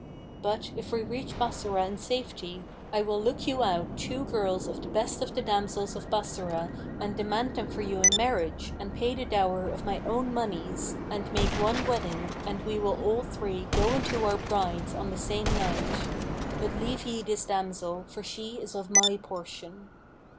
But, if we reach Bassorah in safety, I will look you out two girls of the best of the damsels of Bassorah and demand them for you in marriage and pay the dower of my own monies and make one wedding and we will all three go into our brides on the same night. But leave ye this damsel, for she is of my portion.'